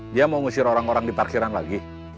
dia mau ngusir orang orang di taksiran lagi